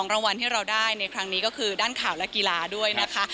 รางวัลที่เราได้ในครั้งนี้ก็คือด้านข่าวและกีฬาด้วยนะคะ